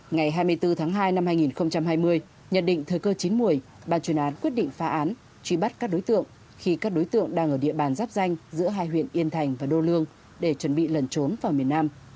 ngày hai mươi bốn tháng hai năm hai nghìn hai mươi nhận định thời cơ chín mùi bàn chuyên án quyết định phá án truy bắt các đối tượng khi các đối tượng đang ở địa bàn giáp danh giữa hai huyện yên thành và đô lương để chuẩn bị lần trốn vào miền nam